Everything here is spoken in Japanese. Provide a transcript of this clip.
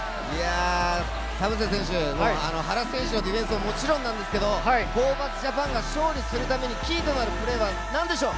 田臥選手、原選手のディフェンスももちろんなんですけど、ホーバスＪＡＰＡＮが勝利するためにキーとなるプレーは何でしょう？